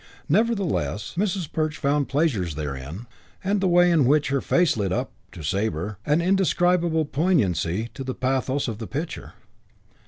Nevertheless Mrs. Perch found pleasures therein, and the way in which her face then lit up added, to Sabre, an indescribable poignancy to the pathos of the picture.